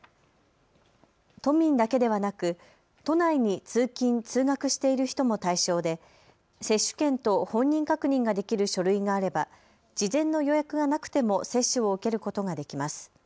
都民だけではなく都内に通勤・通学している人も対象で接種券と本人確認ができる書類があれば事前の予約がなくても接種を受けることができます。